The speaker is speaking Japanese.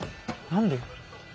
何で。